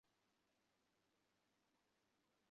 তারা ভেনেজুয়েলার ওপর নতুন করে অর্থনৈতিক নিষেধাজ্ঞা আরোপ করেছে।